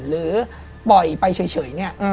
หรือปล่อยไปเฉยเนี่ย